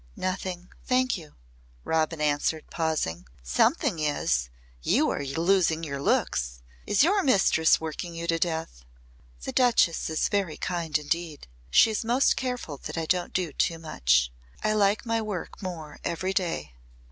"Nothing thank you," Robin answered pausing. "Something is! You are losing your looks. Is your mistress working you to death?" "The Duchess is very kind indeed. She is most careful that I don't do too much. I like my work more every day."